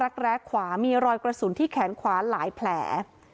แร้ขวามีรอยกระสุนที่แขนขวาหลายแผล